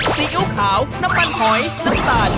ซีอิ๊วขาวน้ำมันหอยน้ำตาล